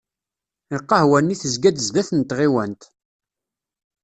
Lqahwa-nni tezga-d sdat n tɣiwant.